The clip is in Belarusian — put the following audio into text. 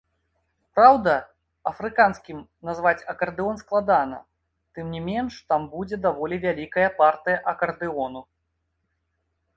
Праўда, афрыканскім назваць акардэон складана, тым не менш там будзе даволі вялікая партыя акардэону.